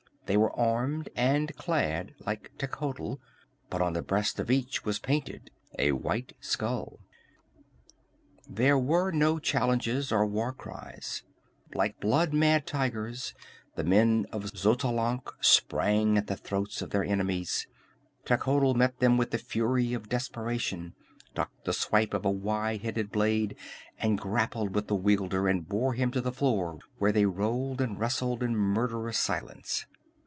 They were armed and clad like Techotl, but on the breast of each was painted a white skull. There were no challenges or war cries. Like blood mad tigers the men of Xotalanc sprang at the throats of their enemies. Techotl met them with the fury of desperation, ducked the swipe of a wide headed blade, and grappled with the wielder, and bore him to the floor where they rolled and wrestled in murderous silence.